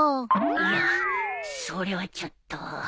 いやそれはちょっと。